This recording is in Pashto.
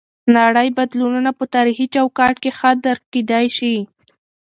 د نړۍ بدلونونه په تاریخي چوکاټ کې ښه درک کیدی شي.